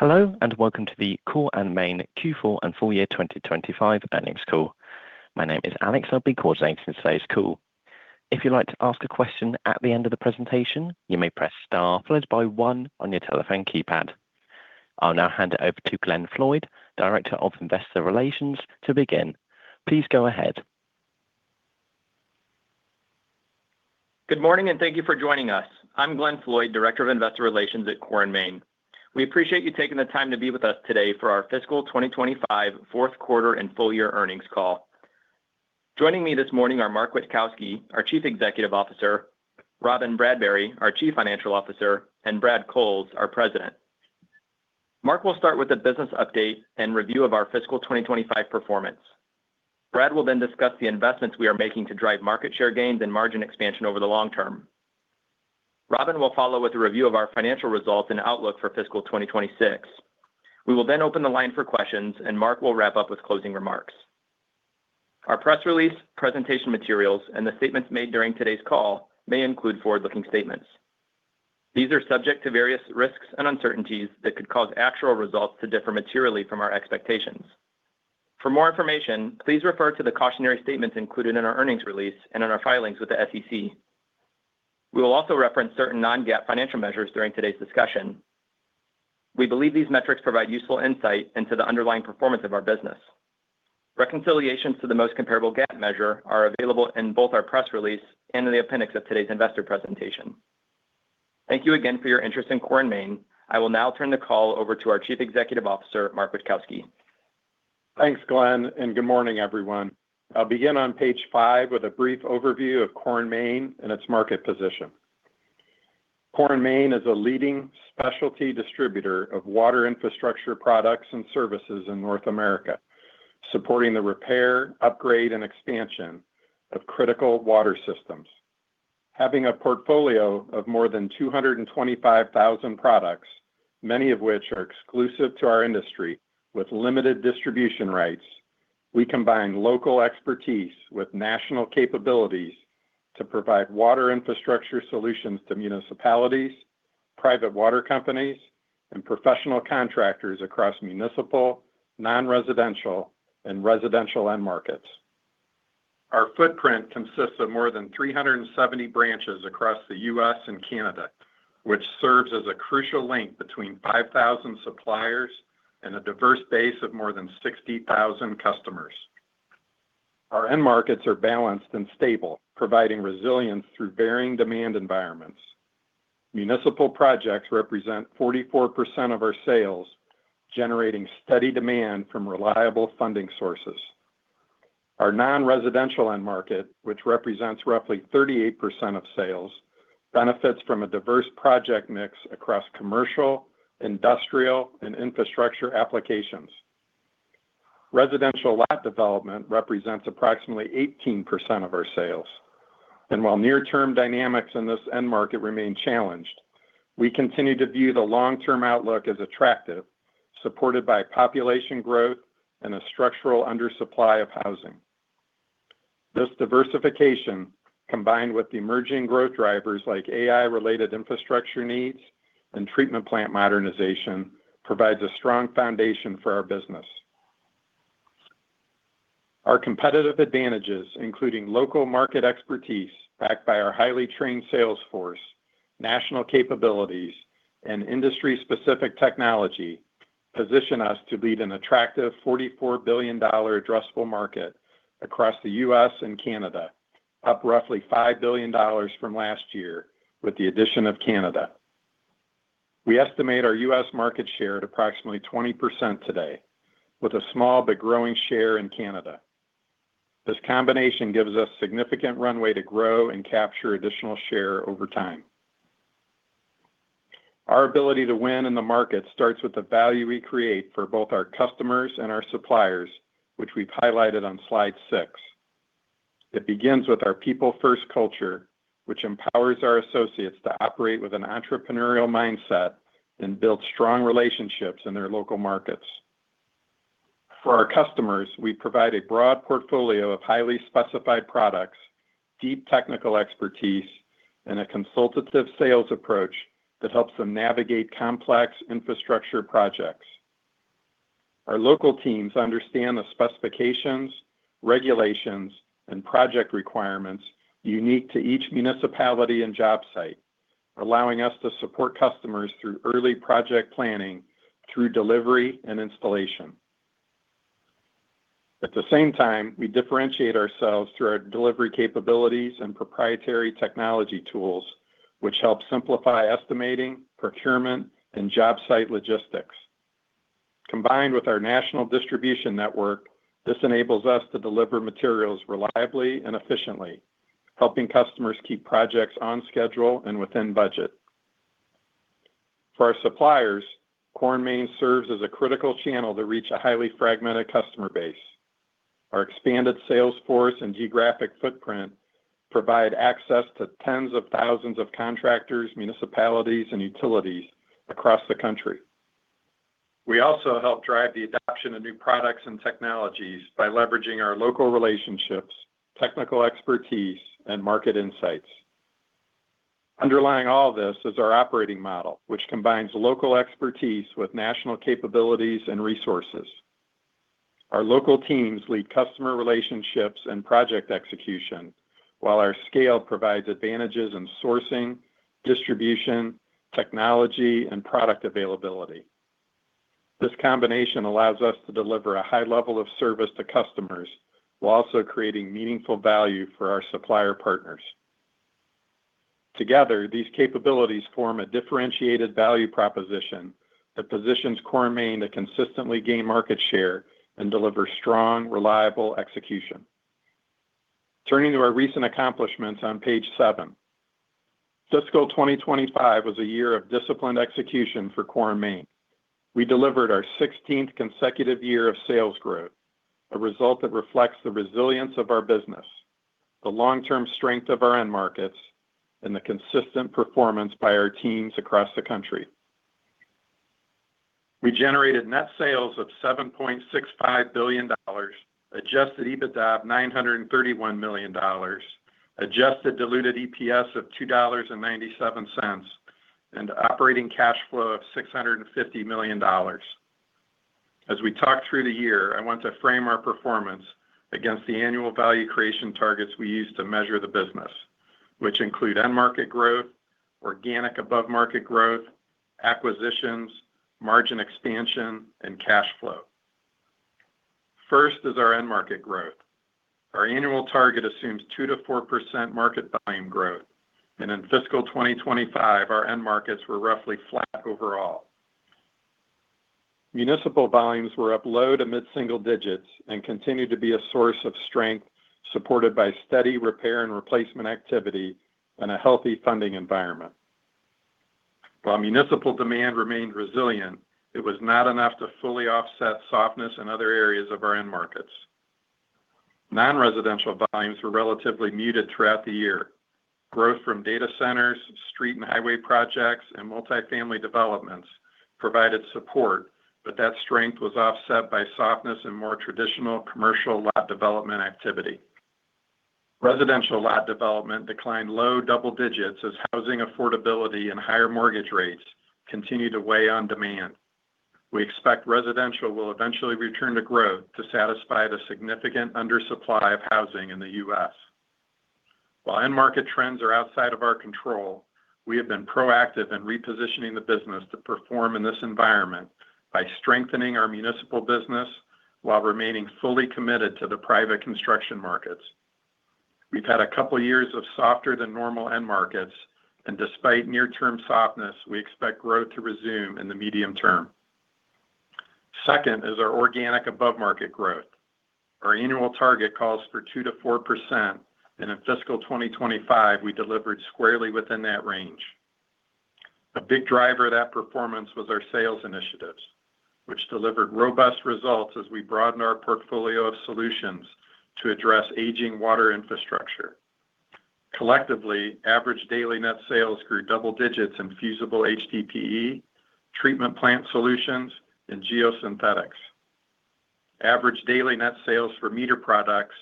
Hello, and welcome to the Core & Main Q4 and full year 2025 earnings call. My name is Alex. I'll be coordinating today's call. If you'd like to ask a question at the end of the presentation, you may press star followed by one on your telephone keypad. I'll now hand it over to Glenn Floyd, Director of Investor Relations, to begin. Please go ahead. Good morning, and thank you for joining us. I'm Glenn Floyd, Director of Investor Relations at Core & Main. We appreciate you taking the time to be with us today for our fiscal 2025 fourth quarter and full year earnings call. Joining me this morning are Mark Witkowski, our Chief Executive Officer, Robyn Bradbury, our Chief Financial Officer, and Brad Cowles, our President. Mark will start with a business update and review of our fiscal 2025 performance. Brad will then discuss the investments we are making to drive market share gains and margin expansion over the long term. Robyn will follow with a review of our financial results and outlook for fiscal 2026. We will then open the line for questions, and Mark will wrap up with closing remarks. Our press release, presentation materials, and the statements made during today's call may include forward-looking statements. These are subject to various risks and uncertainties that could cause actual results to differ materially from our expectations. For more information, please refer to the cautionary statements included in our earnings release and in our filings with the SEC. We will also reference certain non-GAAP financial measures during today's discussion. We believe these metrics provide useful insight into the underlying performance of our business. Reconciliations to the most comparable GAAP measure are available in both our press release and in the appendix of today's investor presentation. Thank you again for your interest in Core & Main. I will now turn the call over to our Chief Executive Officer, Mark Witkowski. Thanks, Glenn, and good morning, everyone. I'll begin on page five with a brief overview of Core & Main and its market position. Core & Main is a leading specialty distributor of water infrastructure products and services in North America, supporting the repair, upgrade, and expansion of critical water systems. Having a portfolio of more than 225,000 products, many of which are exclusive to our industry with limited distribution rights, we combine local expertise with national capabilities to provide water infrastructure solutions to municipalities, private water companies, and professional contractors across municipal, non-residential, and residential end markets. Our footprint consists of more than 370 branches across the U.S. and Canada, which serves as a crucial link between 5,000 suppliers and a diverse base of more than 60,000 customers. Our end markets are balanced and stable, providing resilience through varying demand environments. Municipal projects represent 44% of our sales, generating steady demand from reliable funding sources. Our non-residential end market, which represents roughly 38% of sales, benefits from a diverse project mix across commercial, industrial, and infrastructure applications. Residential lot development represents approximately 18% of our sales. While near-term dynamics in this end market remain challenged, we continue to view the long-term outlook as attractive, supported by population growth and a structural undersupply of housing. This diversification, combined with emerging growth drivers like AI-related infrastructure needs and treatment plant modernization, provides a strong foundation for our business. Our competitive advantages, including local market expertise backed by our highly trained sales force, national capabilities, and industry-specific technology, position us to lead an attractive $44 billion addressable market across the U.S. and Canada, up roughly $5 billion from last year with the addition of Canada. We estimate our U.S. market share at approximately 20% today, with a small but growing share in Canada. This combination gives us significant runway to grow and capture additional share over time. Our ability to win in the market starts with the value we create for both our customers and our suppliers, which we've highlighted on slide six. It begins with our people-first culture, which empowers our associates to operate with an entrepreneurial mindset and build strong relationships in their local markets. For our customers, we provide a broad portfolio of highly specified products, deep technical expertise, and a consultative sales approach that helps them navigate complex infrastructure projects. Our local teams understand the specifications, regulations, and project requirements unique to each municipality and job site, allowing us to support customers through early project planning through delivery and installation. At the same time, we differentiate ourselves through our delivery capabilities and proprietary technology tools, which help simplify estimating, procurement, and job site logistics. Combined with our national distribution network, this enables us to deliver materials reliably and efficiently, helping customers keep projects on schedule and within budget. For our suppliers, Core & Main serves as a critical channel to reach a highly fragmented customer base. Our expanded sales force and geographic footprint provide access to tens of thousands of contractors, municipalities, and utilities across the country. We also help drive the adoption of new products and technologies by leveraging our local relationships, technical expertise, and market insights. Underlying all this is our operating model, which combines local expertise with national capabilities and resources. Our local teams lead customer relationships and project execution, while our scale provides advantages in sourcing, distribution, technology, and product availability. This combination allows us to deliver a high level of service to customers while also creating meaningful value for our supplier partners. Together, these capabilities form a differentiated value proposition that positions Core & Main to consistently gain market share and deliver strong, reliable execution. Turning to our recent accomplishments on page seven. Fiscal 2025 was a year of disciplined execution for Core & Main. We delivered our 16th consecutive year of sales growth, a result that reflects the resilience of our business, the long-term strength of our end markets, and the consistent performance by our teams across the country. We generated net sales of $7.65 billion, Adjusted EBITDA of $931 million, adjusted diluted EPS of $2.97, and operating cash flow of $650 million. As we talk through the year, I want to frame our performance against the annual value creation targets we use to measure the business, which include end market growth, organic above market growth, acquisitions, margin expansion, and cash flow. First is our end market growth. Our annual target assumes 2%-4% market volume growth, and in fiscal 2025, our end markets were roughly flat overall. Municipal volumes were up low to mid-single-digit and continued to be a source of strength, supported by steady repair and replacement activity and a healthy funding environment. While municipal demand remained resilient, it was not enough to fully offset softness in other areas of our end markets. Non-residential volumes were relatively muted throughout the year. Growth from data centers, street and highway projects, and multifamily developments provided support, but that strength was offset by softness in more traditional commercial lot development activity. Residential lot development declined low double digits as housing affordability and higher mortgage rates continued to weigh on demand. We expect residential will eventually return to growth to satisfy the significant undersupply of housing in the U.S. While end market trends are outside of our control, we have been proactive in repositioning the business to perform in this environment by strengthening our municipal business while remaining fully committed to the private construction markets. We've had a couple years of softer than normal end markets, and despite near-term softness, we expect growth to resume in the medium term. Second is our organic above market growth. Our annual target calls for 2%-4%, and in fiscal 2025, we delivered squarely within that range. A big driver of that performance was our sales initiatives, which delivered robust results as we broaden our portfolio of solutions to address aging water infrastructure. Collectively, average daily net sales grew double digits in fusible HDPE, treatment plant solutions, and geosynthetics. Average daily net sales for meter products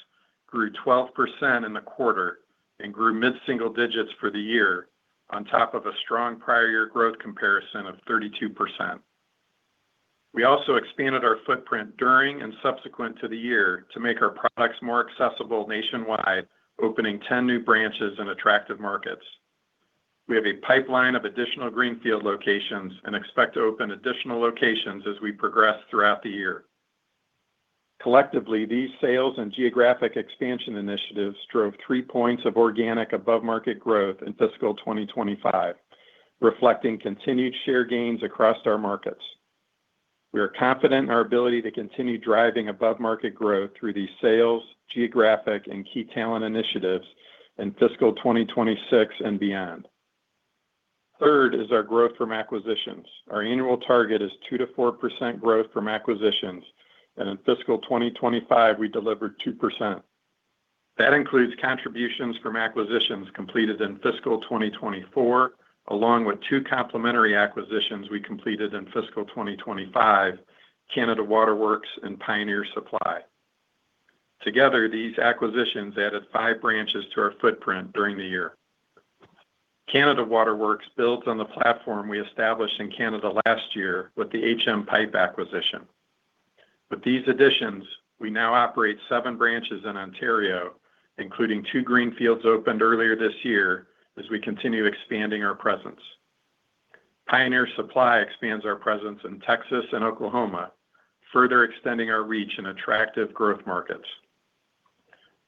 grew 12% in the quarter and grew mid-single digits for the year on top of a strong prior year growth comparison of 32%. We also expanded our footprint during and subsequent to the year to make our products more accessible nationwide, opening 10 new branches in attractive markets. We have a pipeline of additional greenfield locations and expect to open additional locations as we progress throughout the year. Collectively, these sales and geographic expansion initiatives drove 3 points of organic above-market growth in fiscal 2025, reflecting continued share gains across our markets. We are confident in our ability to continue driving above-market growth through these sales, geographic, and key talent initiatives in fiscal 2026 and beyond. Third is our growth from acquisitions. Our annual target is 2%-4% growth from acquisitions, and in fiscal 2025, we delivered 2%. That includes contributions from acquisitions completed in fiscal 2024, along with two complementary acquisitions we completed in fiscal 2025, Canada Waterworks and Pioneer Supply. Together, these acquisitions added five branches to our footprint during the year. Canada Waterworks builds on the platform we established in Canada last year with the HM Pipe acquisition. With these additions, we now operate seven branches in Ontario, including two greenfields opened earlier this year as we continue expanding our presence. Pioneer Supply expands our presence in Texas and Oklahoma, further extending our reach in attractive growth markets.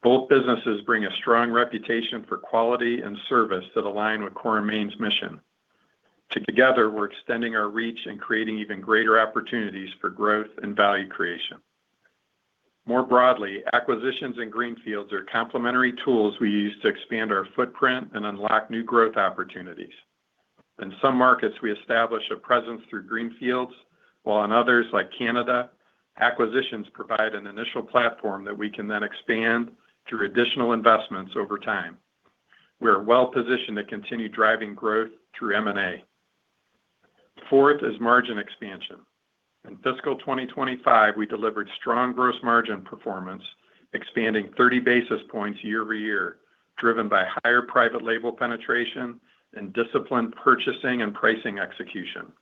Both businesses bring a strong reputation for quality and service that align with Core & Main's mission. Together, we're extending our reach and creating even greater opportunities for growth and value creation. More broadly, acquisitions and greenfields are complementary tools we use to expand our footprint and unlock new growth opportunities. In some markets, we establish a presence through greenfields, while in others, like Canada, acquisitions provide an initial platform that we can then expand through additional investments over time. We are well-positioned to continue driving growth through M&A. Fourth is margin expansion. In fiscal 2025, we delivered strong gross margin performance, expanding 30 basis points year-over-year, driven by higher private label penetration and disciplined purchasing and pricing execution.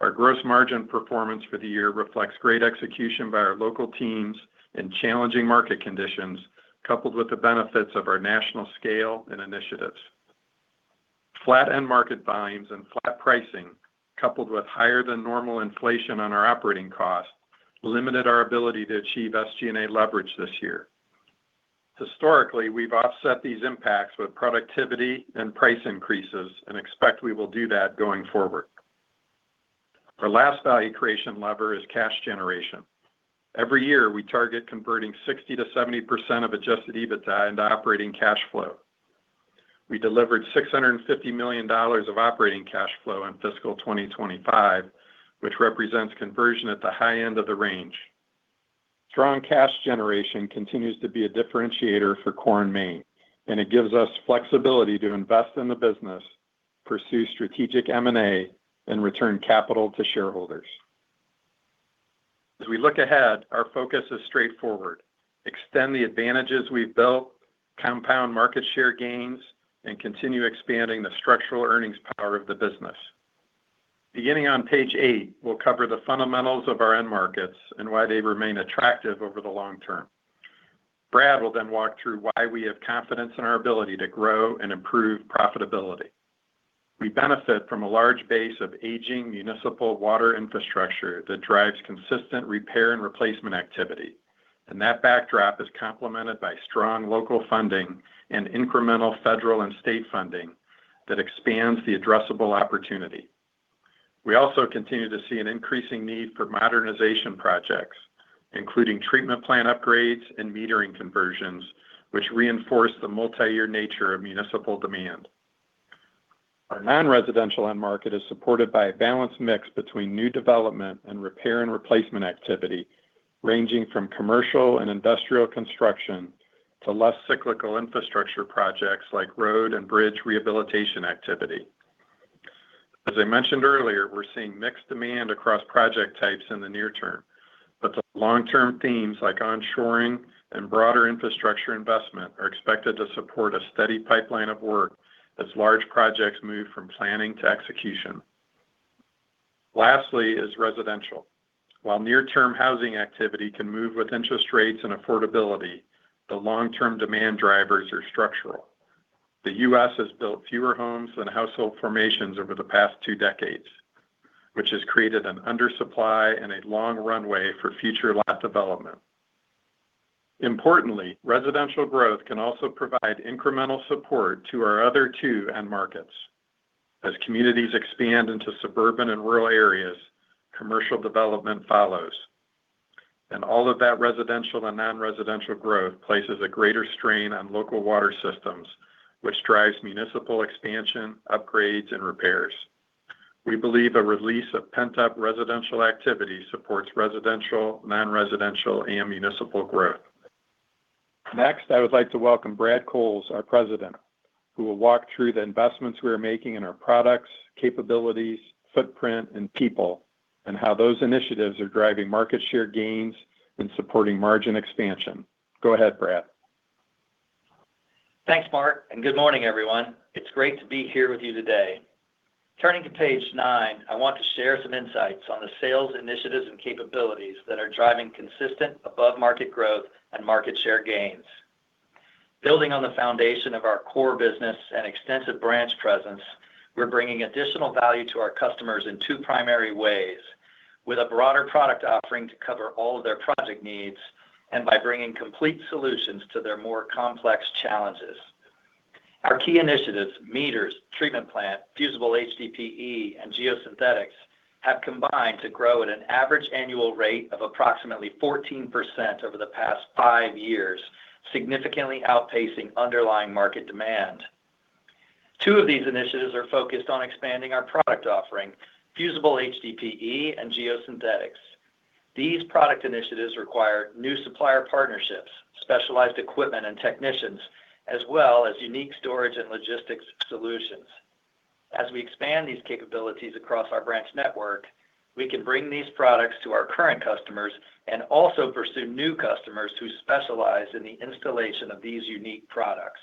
Our gross margin performance for the year reflects great execution by our local teams in challenging market conditions, coupled with the benefits of our national scale and initiatives. Flat end market volumes and flat pricing, coupled with higher than normal inflation on our operating costs, limited our ability to achieve SG&A leverage this year. Historically, we've offset these impacts with productivity and price increases, and expect we will do that going forward. Our last value creation lever is cash generation. Every year, we target converting 60%-70% of Adjusted EBITDA into operating cash flow. We delivered $650 million of operating cash flow in fiscal 2025, which represents conversion at the high end of the range. Strong cash generation continues to be a differentiator for Core & Main, and it gives us flexibility to invest in the business, pursue strategic M&A, and return capital to shareholders. As we look ahead, our focus is straightforward. Extend the advantages we've built, compound market share gains, and continue expanding the structural earnings power of the business. Beginning on page eight, we'll cover the fundamentals of our end markets and why they remain attractive over the long term. Brad will then walk through why we have confidence in our ability to grow and improve profitability. We benefit from a large base of aging municipal water infrastructure that drives consistent repair and replacement activity, and that backdrop is complemented by strong local funding and incremental federal and state funding that expands the addressable opportunity. We also continue to see an increasing need for modernization projects, including treatment plant upgrades and metering conversions, which reinforce the multi-year nature of municipal demand. Our non-residential end market is supported by a balanced mix between new development and repair and replacement activity, ranging from commercial and industrial construction to less cyclical infrastructure projects like road and bridge rehabilitation activity. As I mentioned earlier, we're seeing mixed demand across project types in the near term, but the long-term themes like onshoring and broader infrastructure investment are expected to support a steady pipeline of work as large projects move from planning to execution. Lastly is residential. While near-term housing activity can move with interest rates and affordability, the long-term demand drivers are structural. The U.S. has built fewer homes than household formations over the past two decades, which has created an undersupply and a long runway for future lot development. Importantly, residential growth can also provide incremental support to our other two end markets. As communities expand into suburban and rural areas, commercial development follows. All of that residential and non-residential growth places a greater strain on local water systems, which drives municipal expansion, upgrades, and repairs. We believe a release of pent-up residential activity supports residential, non-residential, and municipal growth. Next, I would like to welcome Brad Cowles, our President, who will walk through the investments we are making in our products, capabilities, footprint, and people, and how those initiatives are driving market share gains and supporting margin expansion. Go ahead, Brad. Thanks, Mark, and good morning, everyone. It's great to be here with you today. Turning to page nine, I want to share some insights on the sales initiatives and capabilities that are driving consistent above-market growth and market share gains. Building on the foundation of our core business and extensive branch presence, we're bringing additional value to our customers in two primary ways: with a broader product offering to cover all of their project needs and by bringing complete solutions to their more complex challenges. Our key initiatives, meters, treatment plant, fusible HDPE, and geosynthetics, have combined to grow at an average annual rate of approximately 14% over the past five years, significantly outpacing underlying market demand. Two of these initiatives are focused on expanding our product offering, fusible HDPE and geosynthetics. These product initiatives require new supplier partnerships, specialized equipment and technicians, as well as unique storage and logistics solutions. As we expand these capabilities across our branch network, we can bring these products to our current customers and also pursue new customers who specialize in the installation of these unique products.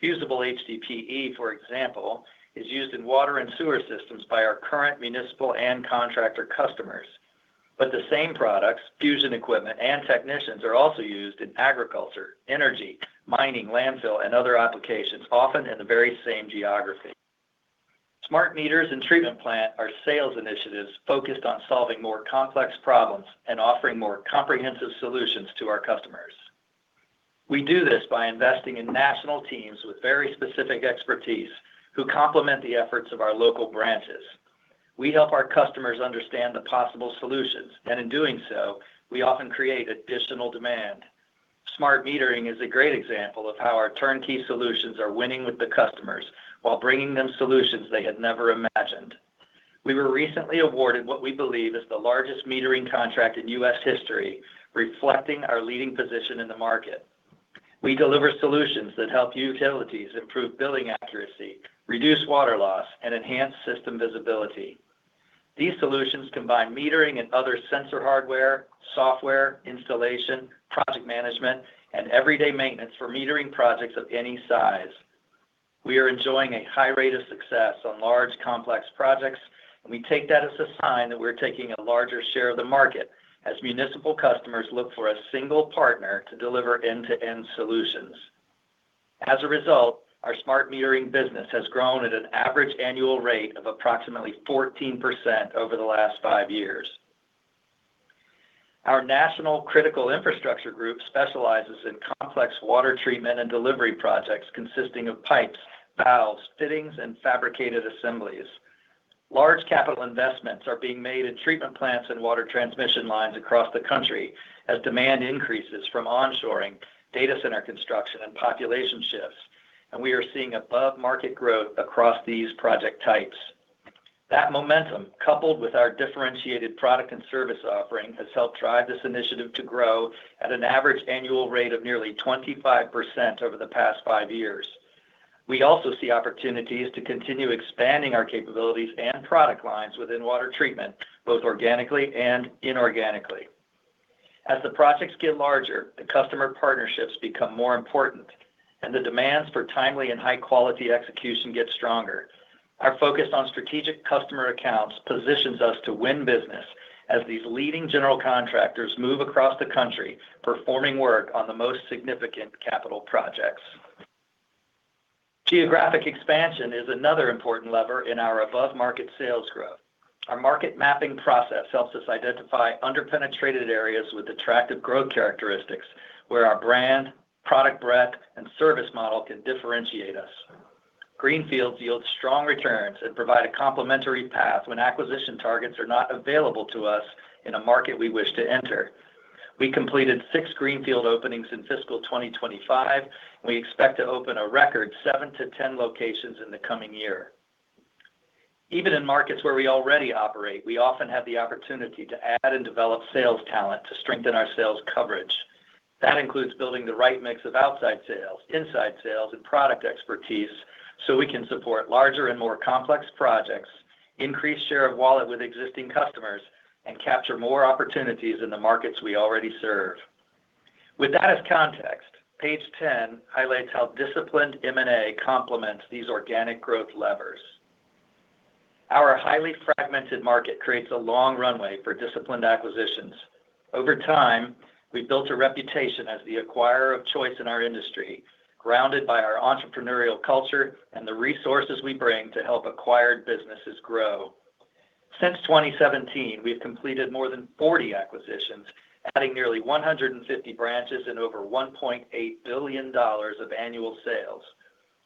Fusible HDPE, for example, is used in water and sewer systems by our current municipal and contractor customers. The same products, fusion equipment and technicians, are also used in agriculture, energy, mining, landfill, and other applications, often in the very same geography. Smart meters and treatment plant are sales initiatives focused on solving more complex problems and offering more comprehensive solutions to our customers. We do this by investing in national teams with very specific expertise who complement the efforts of our local branches. We help our customers understand the possible solutions, and in doing so, we often create additional demand. Smart metering is a great example of how our turnkey solutions are winning with the customers while bringing them solutions they had never imagined. We were recently awarded what we believe is the largest metering contract in U.S. history, reflecting our leading position in the market. We deliver solutions that help utilities improve billing accuracy, reduce water loss, and enhance system visibility. These solutions combine metering and other sensor hardware, software, installation, project management, and everyday maintenance for metering projects of any size. We are enjoying a high rate of success on large, complex projects, and we take that as a sign that we're taking a larger share of the market as municipal customers look for a single partner to deliver end-to-end solutions. As a result, our smart metering business has grown at an average annual rate of approximately 14% over the last five years. Our National Critical Infrastructure Group specializes in complex water treatment and delivery projects consisting of pipes, valves, fittings, and fabricated assemblies. Large capital investments are being made in treatment plants and water transmission lines across the country as demand increases from onshoring data center construction and population shifts. We are seeing above-market growth across these project types. That momentum, coupled with our differentiated product and service offering, has helped drive this initiative to grow at an average annual rate of nearly 25% over the past five years. We also see opportunities to continue expanding our capabilities and product lines within water treatment, both organically and inorganically. As the projects get larger, the customer partnerships become more important and the demands for timely and high-quality execution get stronger. Our focus on strategic customer accounts positions us to win business as these leading general contractors move across the country, performing work on the most significant capital projects. Geographic expansion is another important lever in our above-market sales growth. Our market mapping process helps us identify under-penetrated areas with attractive growth characteristics, where our brand, product breadth, and service model can differentiate us. Greenfields yield strong returns and provide a complementary path when acquisition targets are not available to us in a market we wish to enter. We completed six greenfield openings in fiscal 2025, and we expect to open a record seven-10 locations in the coming year. Even in markets where we already operate, we often have the opportunity to add and develop sales talent to strengthen our sales coverage. That includes building the right mix of outside sales, inside sales, and product expertise, so we can support larger and more complex projects, increase share of wallet with existing customers, and capture more opportunities in the markets we already serve. With that as context, page ten highlights how disciplined M&A complements these organic growth levers. Our highly fragmented market creates a long runway for disciplined acquisitions. Over time, we've built a reputation as the acquirer of choice in our industry, grounded by our entrepreneurial culture and the resources we bring to help acquired businesses grow. Since 2017, we've completed more than 40 acquisitions, adding nearly 150 branches and over $1.8 billion of annual sales.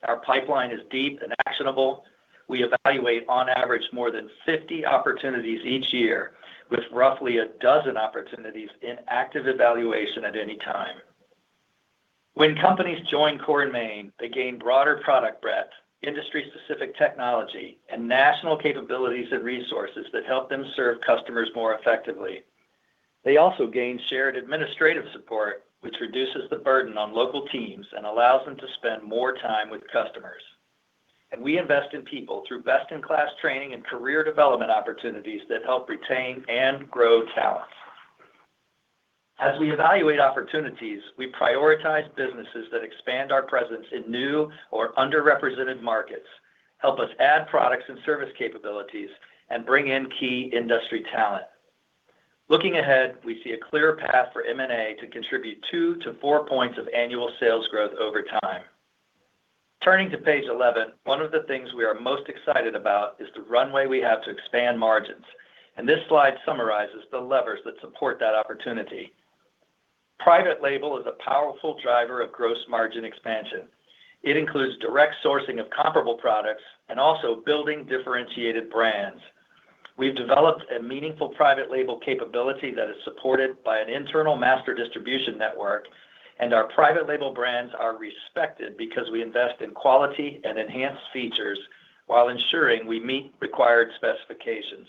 Our pipeline is deep and actionable. We evaluate on average more than 50 opportunities each year, with roughly a dozen opportunities in active evaluation at any time. When companies join Core & Main, they gain broader product breadth, industry-specific technology, and national capabilities and resources that help them serve customers more effectively. They also gain shared administrative support, which reduces the burden on local teams and allows them to spend more time with customers. We invest in people through best-in-class training and career development opportunities that help retain and grow talent. As we evaluate opportunities, we prioritize businesses that expand our presence in new or underrepresented markets, help us add products and service capabilities, and bring in key industry talent. Looking ahead, we see a clear path for M&A to contribute 2-4 points of annual sales growth over time. Turning to page 11, one of the things we are most excited about is the runway we have to expand margins, and this slide summarizes the levers that support that opportunity. Private label is a powerful driver of gross margin expansion. It includes direct sourcing of comparable products and also building differentiated brands. We've developed a meaningful private label capability that is supported by an internal master distribution network, and our private label brands are respected because we invest in quality and enhanced features while ensuring we meet required specifications.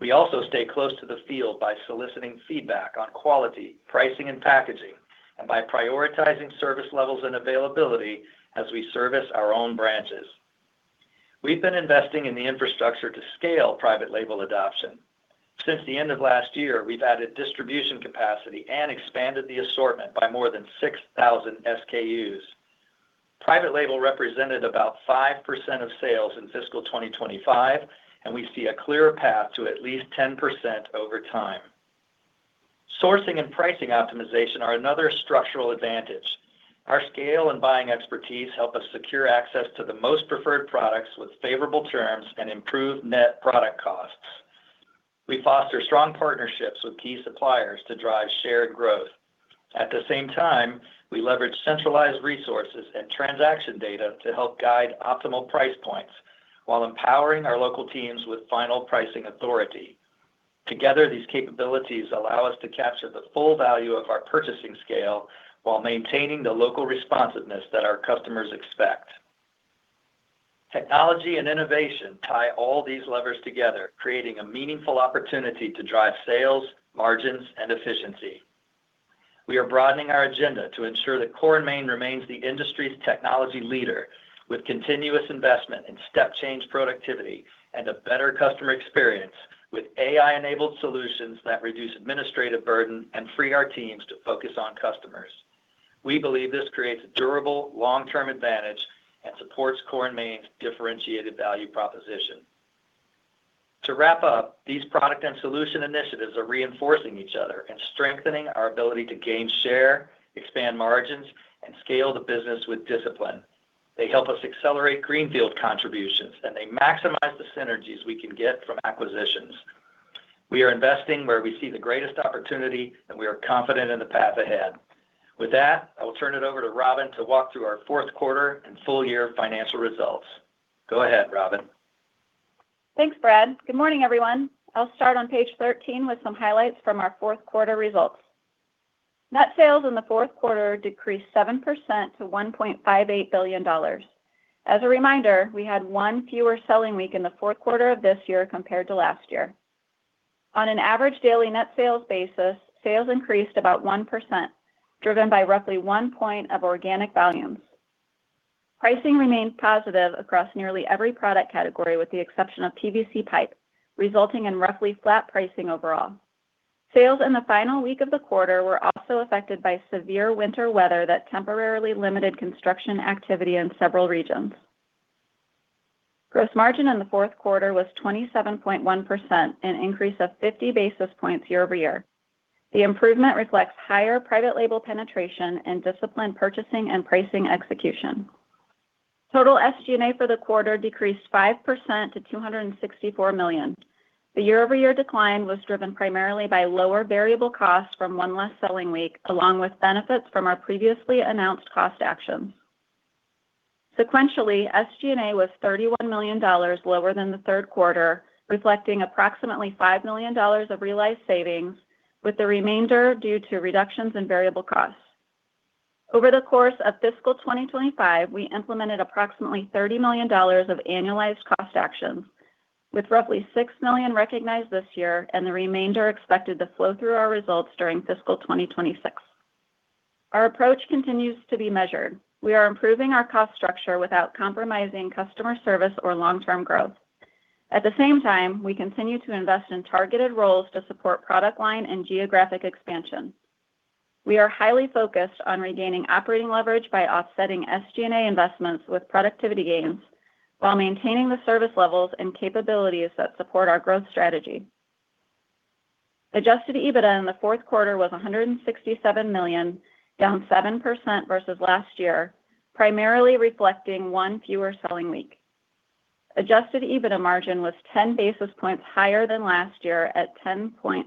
We also stay close to the field by soliciting feedback on quality, pricing, and packaging, and by prioritizing service levels and availability as we service our own branches. We've been investing in the infrastructure to scale private label adoption. Since the end of last year, we've added distribution capacity and expanded the assortment by more than 6,000 SKUs. Private label represented about 5% of sales in fiscal 2025, and we see a clear path to at least 10% over time. Sourcing and pricing optimization are another structural advantage. Our scale and buying expertise help us secure access to the most preferred products with favorable terms and improve net product costs. We foster strong partnerships with key suppliers to drive shared growth. At the same time, we leverage centralized resources and transaction data to help guide optimal price points while empowering our local teams with final pricing authority. Together, these capabilities allow us to capture the full value of our purchasing scale while maintaining the local responsiveness that our customers expect. Technology and innovation tie all these levers together, creating a meaningful opportunity to drive sales, margins, and efficiency. We are broadening our agenda to ensure that Core & Main remains the industry's technology leader with continuous investment in step change productivity and a better customer experience with AI-enabled solutions that reduce administrative burden and free our teams to focus on customers. We believe this creates a durable, long-term advantage and supports Core & Main's differentiated value proposition. To wrap up, these product and solution initiatives are reinforcing each other and strengthening our ability to gain share, expand margins, and scale the business with discipline. They help us accelerate greenfield contributions, and they maximize the synergies we can get from acquisitions. We are investing where we see the greatest opportunity, and we are confident in the path ahead. With that, I will turn it over to Robyn to walk through our fourth quarter and full year financial results. Go ahead, Robyn. Thanks, Brad. Good morning, everyone. I'll start on page 13 with some highlights from our fourth quarter results. Net sales in the fourth quarter decreased 7% to $1.58 billion. As a reminder, we had one fewer selling week in the fourth quarter of this year compared to last year. On an average daily net sales basis, sales increased about 1%, driven by roughly one point of organic volumes. Pricing remained positive across nearly every product category with the exception of PVC pipe, resulting in roughly flat pricing overall. Sales in the final week of the quarter were also affected by severe winter weather that temporarily limited construction activity in several regions. Gross margin in the fourth quarter was 27.1%, an increase of 50 basis points year-over-year. The improvement reflects higher private label penetration and disciplined purchasing and pricing execution. Total SG&A for the quarter decreased 5% to $264 million. The year-over-year decline was driven primarily by lower variable costs from one less selling week, along with benefits from our previously announced cost actions. Sequentially, SG&A was $31 million lower than the third quarter, reflecting approximately $5 million of realized savings, with the remainder due to reductions in variable costs. Over the course of fiscal 2025, we implemented approximately $30 million of annualized cost actions, with roughly $6 million recognized this year and the remainder expected to flow through our results during fiscal 2026. Our approach continues to be measured. We are improving our cost structure without compromising customer service or long-term growth. At the same time, we continue to invest in targeted roles to support product line and geographic expansion. We are highly focused on regaining operating leverage by offsetting SG&A investments with productivity gains while maintaining the service levels and capabilities that support our growth strategy. Adjusted EBITDA in the fourth quarter was $167 million, down 7% versus last year, primarily reflecting one fewer selling week. Adjusted EBITDA margin was 10 basis points higher than last year at 10.6%.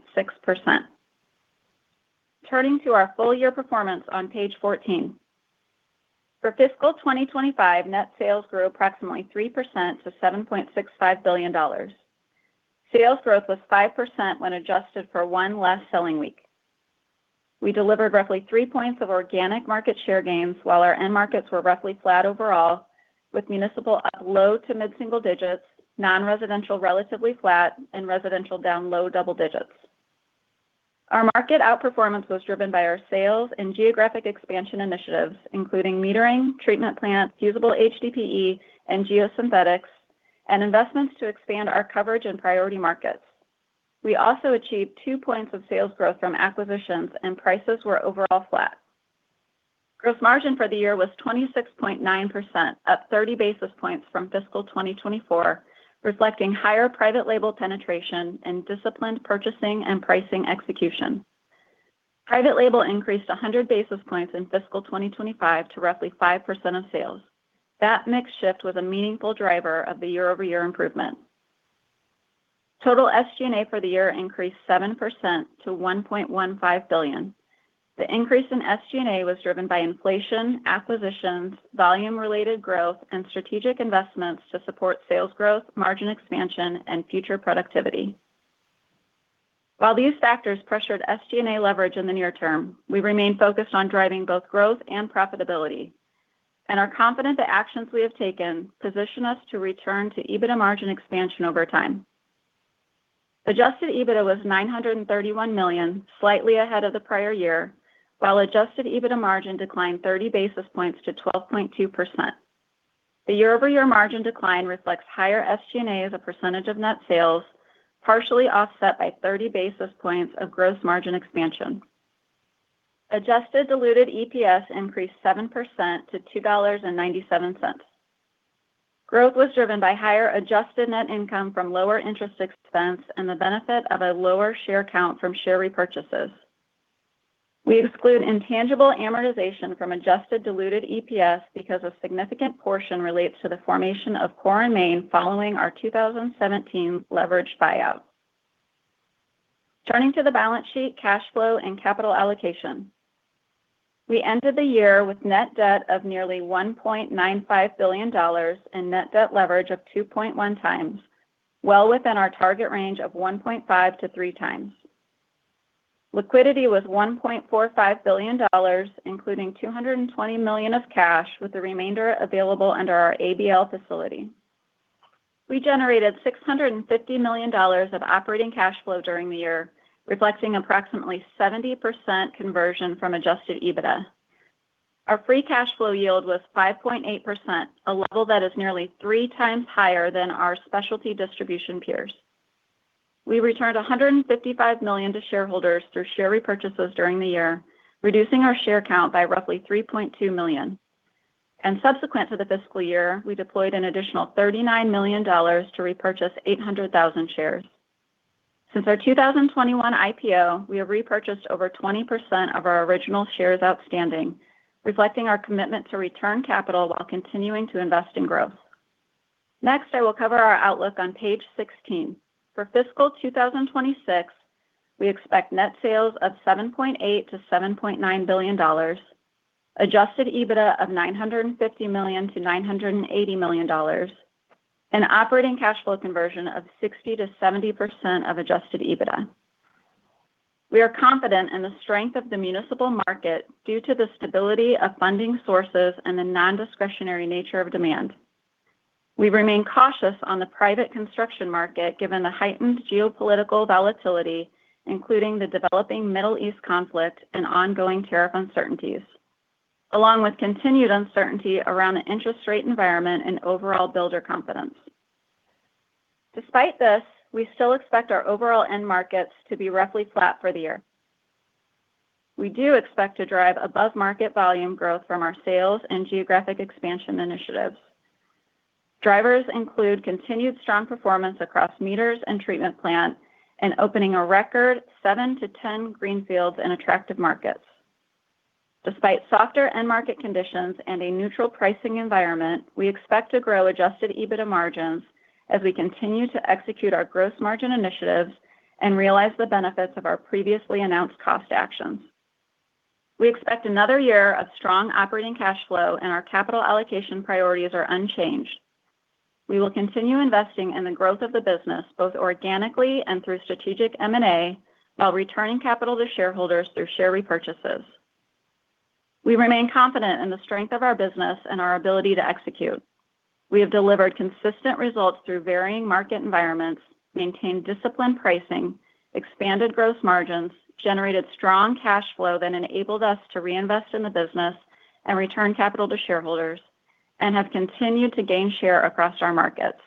Turning to our full-year performance on page 14. For fiscal 2025, net sales grew approximately 3% to $7.65 billion. Sales growth was 5% when adjusted for one less selling week. We delivered roughly 3 points of organic market share gains while our end markets were roughly flat overall, with municipal up low to mid-single digits, non-residential relatively flat, and residential down low double digits. Our market outperformance was driven by our sales and geographic expansion initiatives, including metering, treatment plants, fusible HDPE and geosynthetics, and investments to expand our coverage in priority markets. We also achieved 2 points of sales growth from acquisitions and prices were overall flat. Gross margin for the year was 26.9%, up 30 basis points from fiscal 2024, reflecting higher private label penetration and disciplined purchasing and pricing execution. Private label increased 100 basis points in fiscal 2025 to roughly 5% of sales. That mix shift was a meaningful driver of the year-over-year improvement. Total SG&A for the year increased 7% to $1.15 billion. The increase in SG&A was driven by inflation, acquisitions, volume-related growth, and strategic investments to support sales growth, margin expansion, and future productivity. While these factors pressured SG&A leverage in the near term, we remain focused on driving both growth and profitability and are confident the actions we have taken position us to return to EBITDA margin expansion over time. Adjusted EBITDA was $931 million, slightly ahead of the prior year, while adjusted EBITDA margin declined 30 basis points to 12.2%. The year-over-year margin decline reflects higher SG&A as a percentage of net sales, partially offset by 30 basis points of gross margin expansion. Adjusted diluted EPS increased 7% to $2.97. Growth was driven by higher adjusted net income from lower interest expense and the benefit of a lower share count from share repurchases. We exclude intangible amortization from adjusted diluted EPS because a significant portion relates to the formation of Core & Main following our 2017 leveraged buyout. Turning to the balance sheet, cash flow, and capital allocation. We ended the year with net debt of nearly $1.95 billion and net debt leverage of 2.1x, well within our target range of 1.5-3x. Liquidity was $1.45 billion, including $220 million of cash, with the remainder available under our ABL facility. We generated $650 million of operating cash flow during the year, reflecting approximately 70% conversion from adjusted EBITDA. Our free cash flow yield was 5.8%, a level that is nearly three times higher than our specialty distribution peers. We returned $155 million to shareholders through share repurchases during the year, reducing our share count by roughly 3.2 million. Subsequent to the fiscal year, we deployed an additional $39 million to repurchase 800,000 shares. Since our 2021 IPO, we have repurchased over 20% of our original shares outstanding, reflecting our commitment to return capital while continuing to invest in growth. Next, I will cover our outlook on page 16. For fiscal 2026, we expect net sales of $7.8 billion-$7.9 billion, Adjusted EBITDA of $950 million-$980 million, and operating cash flow conversion of 60%-70% of Adjusted EBITDA. We are confident in the strength of the municipal market due to the stability of funding sources and the non-discretionary nature of demand. We remain cautious on the private construction market given the heightened geopolitical volatility, including the developing Middle East conflict and ongoing tariff uncertainties, along with continued uncertainty around the interest rate environment and overall builder confidence. Despite this, we still expect our overall end markets to be roughly flat for the year. We do expect to drive above-market volume growth from our sales and geographic expansion initiatives. Drivers include continued strong performance across meters and treatment plant and opening a record seven-10 greenfields in attractive markets. Despite softer end market conditions and a neutral pricing environment, we expect to grow Adjusted EBITDA margins as we continue to execute our gross margin initiatives and realize the benefits of our previously announced cost actions. We expect another year of strong operating cash flow, and our capital allocation priorities are unchanged. We will continue investing in the growth of the business, both organically and through strategic M&A, while returning capital to shareholders through share repurchases. We remain confident in the strength of our business and our ability to execute. We have delivered consistent results through varying market environments, maintained disciplined pricing, expanded gross margins, generated strong cash flow that enabled us to reinvest in the business and return capital to shareholders, and have continued to gain share across our markets.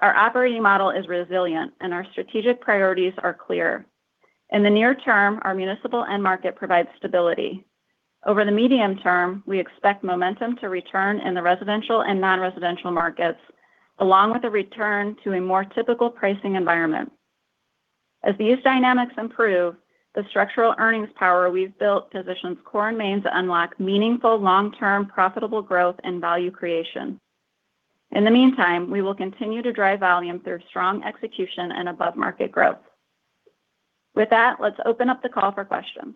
Our operating model is resilient, and our strategic priorities are clear. In the near term, our municipal end market provides stability. Over the medium term, we expect momentum to return in the residential and non-residential markets, along with a return to a more typical pricing environment. As these dynamics improve, the structural earnings power we've built positions Core & Main to unlock meaningful long-term profitable growth and value creation. In the meantime, we will continue to drive volume through strong execution and above-market growth. With that, let's open up the call for questions.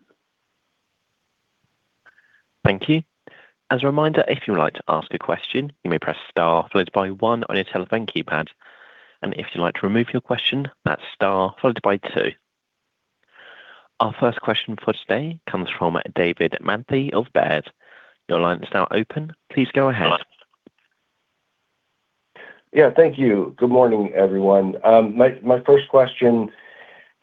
Thank you. As a reminder, if you would like to ask a question, you may press star followed by one on your telephone keypad. If you'd like to remove your question, that's star followed by two. Our first question for today comes from David Manthey of Baird. Your line is now open. Please go ahead. Yeah. Thank you. Good morning, everyone. My first question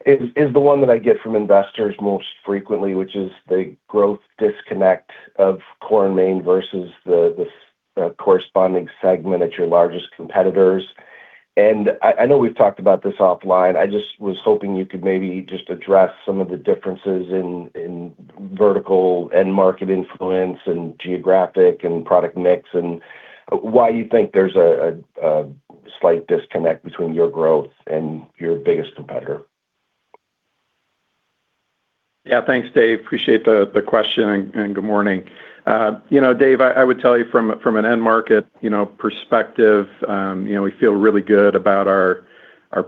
is the one that I get from investors most frequently, which is the growth disconnect of Core & Main versus the corresponding segment at your largest competitors. I know we've talked about this offline. I just was hoping you could maybe just address some of the differences in vertical end market influence and geographic and product mix, and why you think there's a slight disconnect between your growth and your biggest competitor. Yeah. Thanks, David. Appreciate the question, and good morning. You know, David, I would tell you from an end market, you know, perspective, you know, we feel really good about our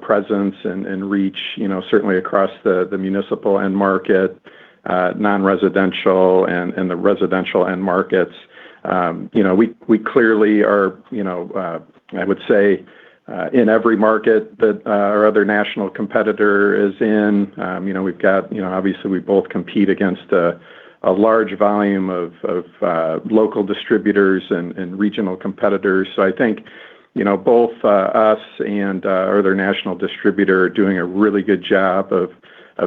presence and reach, you know, certainly across the municipal end market, non-residential and the residential end markets. You know, we clearly are, you know, I would say, in every market that our other national competitor is in. You know, we've got, you know, obviously we both compete against a large volume of local distributors and regional competitors. I think, you know, both us and our other national distributor are doing a really good job of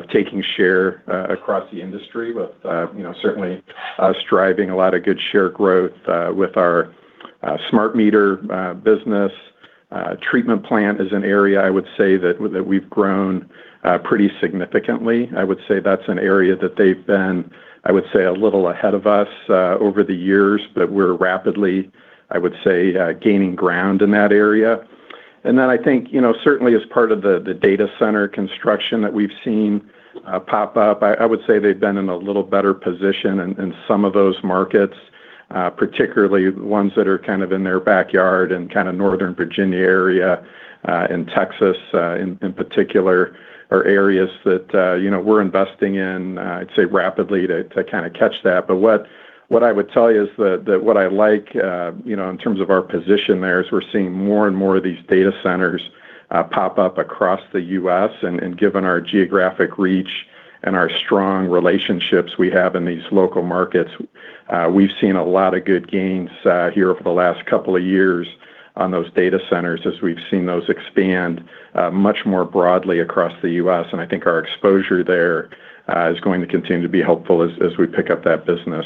taking share across the industry with, you know, certainly us driving a lot of good share growth with our smart meter business. Treatment plant is an area I would say that we've grown pretty significantly. I would say that's an area that they've been, I would say, a little ahead of us over the years, but we're rapidly, I would say, gaining ground in that area. Then I think, you know, certainly as part of the data center construction that we've seen pop up, I would say they've been in a little better position in some of those markets, particularly ones that are kind of in their backyard and kind of Northern Virginia area, and Texas, in particular are areas that, you know, we're investing in, I'd say, rapidly to kind of catch that. But what I would tell you is that what I like, you know, in terms of our position there is we're seeing more and more of these data centers pop up across the U.S. Given our geographic reach and our strong relationships we have in these local markets, we've seen a lot of good gains here over the last couple of years on those data centers as we've seen those expand much more broadly across the U.S. I think our exposure there is going to continue to be helpful as we pick up that business.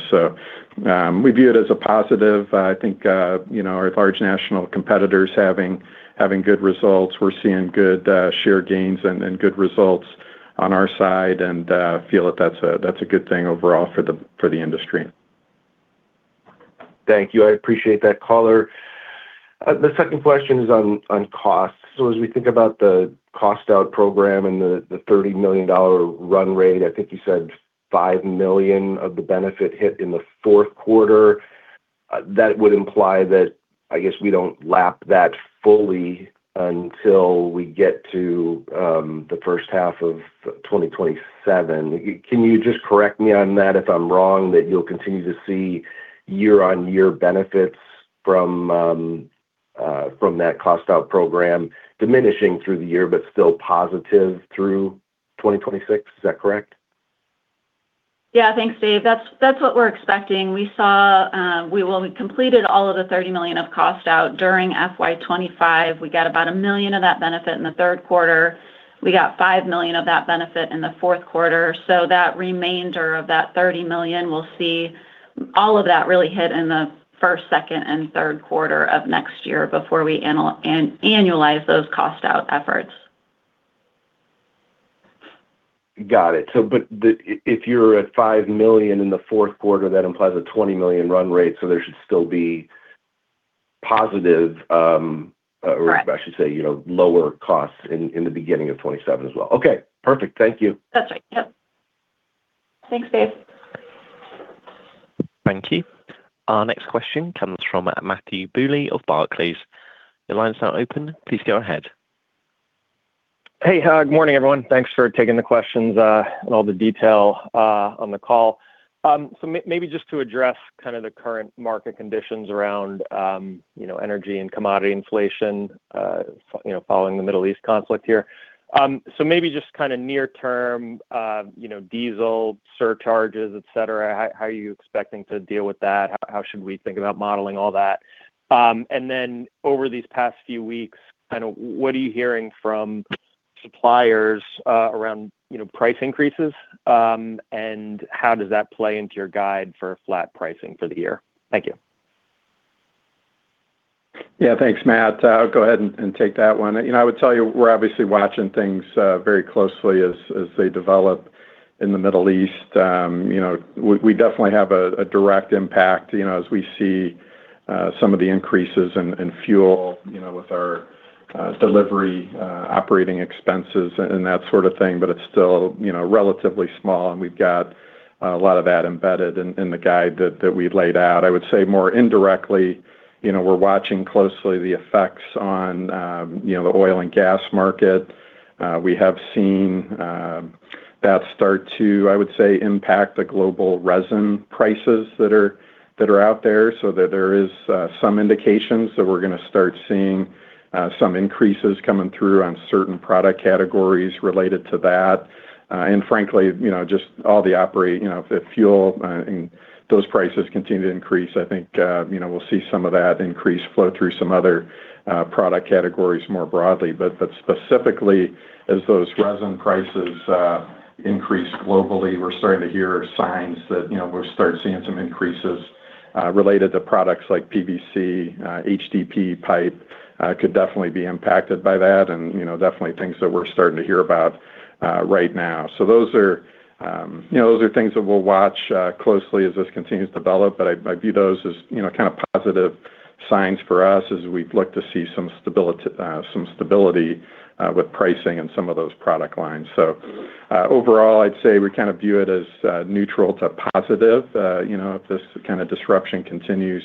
We view it as a positive. I think you know, our large national competitors having good results. We're seeing good share gains and good results on our side and feel that that's a good thing overall for the industry. Thank you. I appreciate that color. The second question is on costs. As we think about the cost out program and the $30 million run rate, I think you said $5 million of the benefit hit in the fourth quarter. That would imply that, I guess, we don't lap that fully until we get to the first half of 2027. Can you just correct me on that if I'm wrong, that you'll continue to see year-on-year benefits from that cost out program diminishing through the year, but still positive through 2026. Is that correct? Yeah. Thanks, Dave. That's what we're expecting. We completed all of the $30 million of cost out during FY 2025. We got about $1 million of that benefit in the third quarter. We got $5 million of that benefit in the fourth quarter. That remainder of that $30 million, we'll see all of that really hit in the first, second, and third quarter of next year before we annualize those cost out efforts. Got it. If you're at $5 million in the fourth quarter, that implies a $20 million run rate, so there should still be positive. I should say, you know, lower costs in the beginning of 2027 as well. Okay, perfect. Thank you. That's right. Yep. Thanks, Dave. Thank you. Our next question comes from Matthew Bouley of Barclays. Your line's now open. Please go ahead. Hey. Good morning, everyone. Thanks for taking the questions and all the detail on the call. Maybe just to address kind of the current market conditions around, you know, energy and commodity inflation, you know, following the Middle East conflict here. Maybe just kind of near term, you know, diesel surcharges, et cetera. How are you expecting to deal with that? How should we think about modeling all that? Over these past few weeks, kind of what are you hearing from suppliers around, you know, price increases, and how does that play into your guide for flat pricing for the year? Thank you. Yeah. Thanks, Matt. I'll go ahead and take that one. You know, I would tell you we're obviously watching things very closely as they develop in the Middle East. You know, we definitely have a direct impact, you know, as we see some of the increases in fuel, you know, with our delivery operating expenses and that sort of thing. But it's still, you know, relatively small, and we've got a lot of that embedded in the guide that we've laid out. I would say more indirectly, you know, we're watching closely the effects on you know, the oil and gas market. We have seen that start to, I would say, impact the global resin prices that are out there so that there is some indications that we're gonna start seeing some increases coming through on certain product categories related to that. Frankly, you know, just all the operating, you know, if the fuel and those prices continue to increase, I think, you know, we'll see some of that increase flow through some other product categories more broadly. But specifically, as those resin prices increase globally, we're starting to hear signs that, you know, we'll start seeing some increases related to products like PVC, HDPE pipe, could definitely be impacted by that and, you know, definitely things that we're starting to hear about right now. Those are, you know, things that we'll watch closely as this continues to develop, but I view those as, you know, kind of positive signs for us as we look to see some stability with pricing in some of those product lines. Overall, I'd say we kind of view it as neutral to positive, you know, if this kind of disruption continues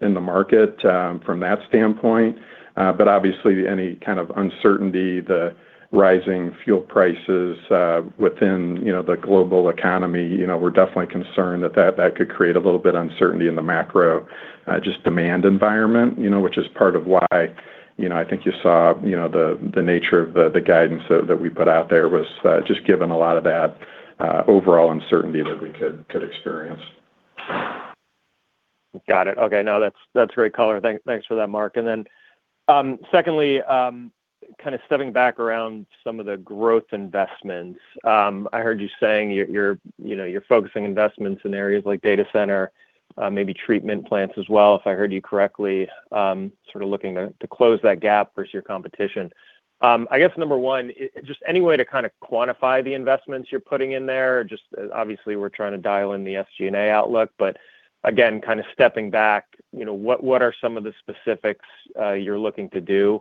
in the market from that standpoint. Obviously, any kind of uncertainty, the rising fuel prices within the global economy, you know, we're definitely concerned that could create a little bit of uncertainty in the macro just demand environment, you know, which is part of why, you know, I think you saw, you know, the nature of the guidance that we put out there was just given a lot of that overall uncertainty that we could experience. Got it. Okay. No, that's great color. Thanks for that, Mark. Secondly, kind of stepping back around some of the growth investments. I heard you saying you're, you know, you're focusing investments in areas like data center, maybe treatment plants as well, if I heard you correctly, sort of looking to close that gap versus your competition. I guess number one, just any way to kind of quantify the investments you're putting in there? Just obviously we're trying to dial in the SG&A outlook, but again, kind of stepping back, you know, what are some of the specifics you're looking to do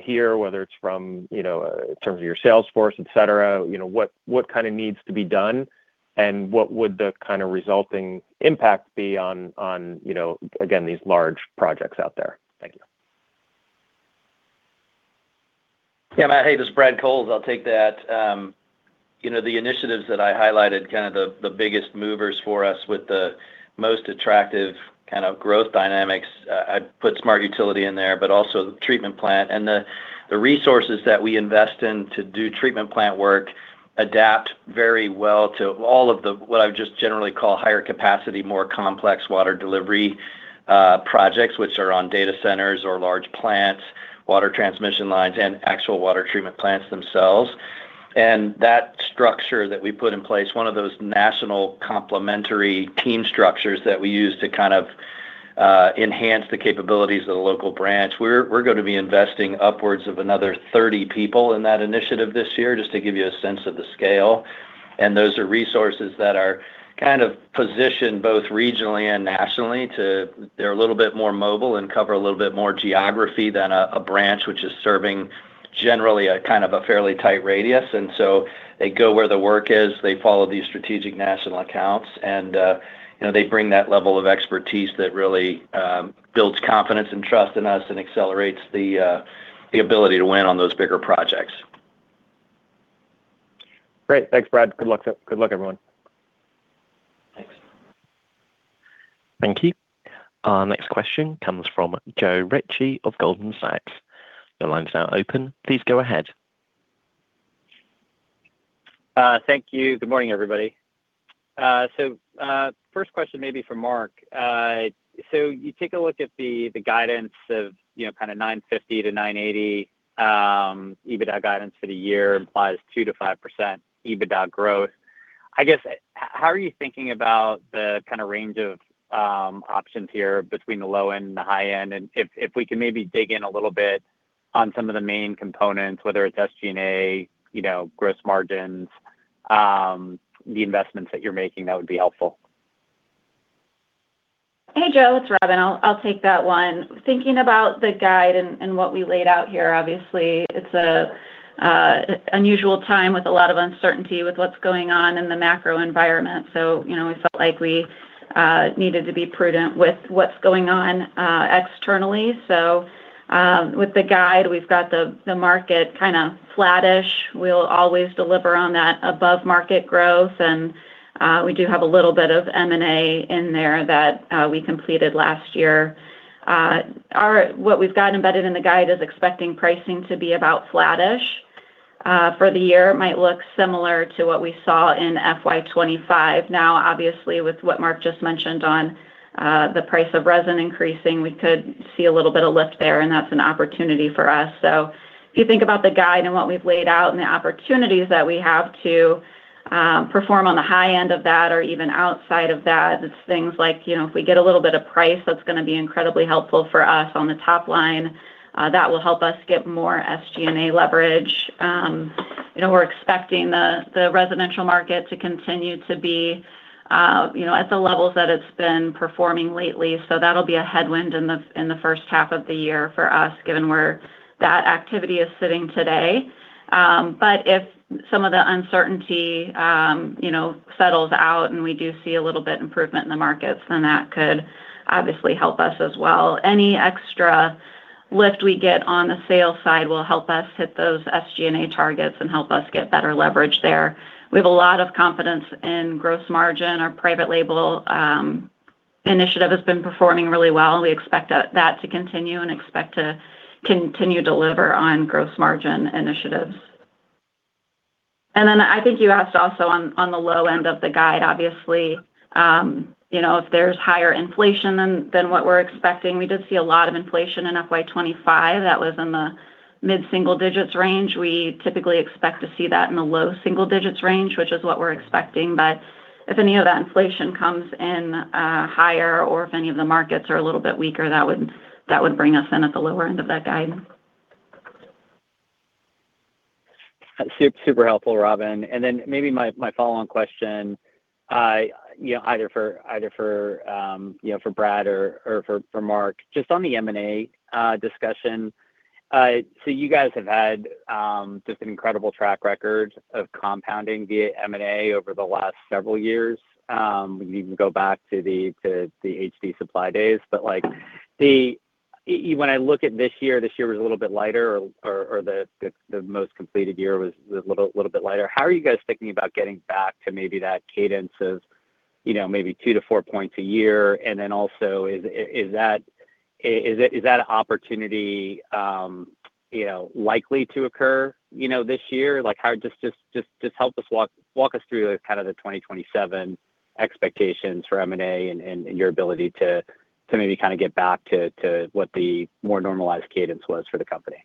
here, whether it's from, you know, in terms of your sales force, et cetera, you know, what kind of needs to be done, and what would the kind of resulting impact be on, you know, again, these large projects out there? Thank you Yeah, Matt. Hey, this is Brad Cowles. I'll take that. You know, the initiatives that I highlighted, kind of the biggest movers for us with the most attractive kind of growth dynamics. I'd put Smart Utility in there, but also the Treatment Plant. The resources that we invest in to do Treatment Plant work adapt very well to all of the, what I would just generally call higher capacity, more complex water delivery projects, which are on data centers or large plants, water transmission lines, and actual water treatment plants themselves. That structure that we put in place, one of those national complementary team structures that we use to kind of enhance the capabilities of the local branch, we're gonna be investing upwards of another 30 people in that initiative this year, just to give you a sense of the scale, and those are resources that are kind of positioned both regionally and nationally. They're a little bit more mobile and cover a little bit more geography than a branch which is serving generally a kind of a fairly tight radius. They go where the work is. They follow these strategic national accounts, and you know, they bring that level of expertise that really builds confidence and trust in us and accelerates the ability to win on those bigger projects. Great. Thanks, Brad. Good luck, everyone. Thanks. Thank you. Our next question comes from Joe Ritchie of Goldman Sachs. Your line is now open. Please go ahead. Thank you. Good morning, everybody. First question may be for Mark. You take a look at the guidance of, you know, kinda $950-$980 EBITDA guidance for the year implies 2%-5% EBITDA growth. I guess, how are you thinking about the kinda range of options here between the low end and the high end? If we can maybe dig in a little bit on some of the main components, whether it's SG&A, you know, gross margins, the investments that you're making, that would be helpful. Hey, Joe, it's Robyn. I'll take that one. Thinking about the guide and what we laid out here, obviously it's an unusual time with a lot of uncertainty with what's going on in the macro environment, so you know, we felt like we needed to be prudent with what's going on externally. With the guide, we've got the market kinda flattish. We'll always deliver on that above-market growth, and we do have a little bit of M&A in there that we completed last year. What we've got embedded in the guide is expecting pricing to be about flattish for the year. It might look similar to what we saw in FY 2025. Now, obviously, with what Mark just mentioned on the price of resin increasing, we could see a little bit of lift there, and that's an opportunity for us. So if you think about the guide and what we've laid out and the opportunities that we have to perform on the high end of that or even outside of that, it's things like, you know, if we get a little bit of price, that's gonna be incredibly helpful for us on the top line. That will help us get more SG&A leverage. You know, we're expecting the residential market to continue to be, you know, at the levels that it's been performing lately, so that'll be a headwind in the first half of the year for us, given where that activity is sitting today. If some of the uncertainty, you know, settles out, and we do see a little bit improvement in the markets, then that could obviously help us as well. Any extra lift we get on the sales side will help us hit those SG&A targets and help us get better leverage there. We have a lot of confidence in gross margin. Our private label initiative has been performing really well. We expect that to continue and expect to continue to deliver on gross margin initiatives. I think you asked also on the low end of the guide, obviously, you know, if there's higher inflation than what we're expecting. We did see a lot of inflation in FY 2025 that was in the mid-single digits range. We typically expect to see that in the low single digits range, which is what we're expecting. If any of that inflation comes in higher or if any of the markets are a little bit weaker, that would bring us in at the lower end of that guidance. Super helpful, Robyn. Then maybe my follow-on question, you know, either for Brad or for Mark, just on the M&A discussion. So you guys have had just an incredible track record of compounding via M&A over the last several years. We can even go back to the HD Supply days. Like, when I look at this year, this year was a little bit lighter or the most completed year was a little bit lighter. How are you guys thinking about getting back to maybe that cadence of, you know, maybe 2-4 points a year? Is that a opportunity likely to occur this year? Like, just help us walk us through, like, kind of the 2027 expectations for M&A and your ability to maybe kinda get back to what the more normalized cadence was for the company?